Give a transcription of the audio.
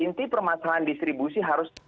inti permasalahan distribusi harus